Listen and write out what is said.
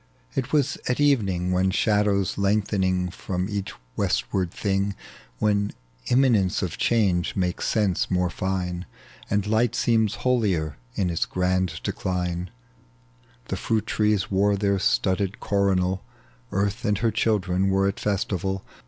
It was at evening, When shadows lengthen from each westward thing, When imminence of change makes sense more iine. And light seems holier in its grand decline. The fhiit trees wore their studded coronal, Earth and her children were at festival.